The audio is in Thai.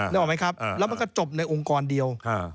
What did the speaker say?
นึกออกไหมครับแล้วมันก็จบในองค์กรเดียว